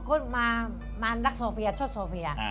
ก็มานักโซเฟียชอบโซเฟีย